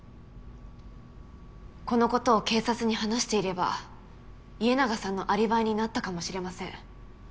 このことを警察に話していれば家長さんのアリバイになったかもしれません。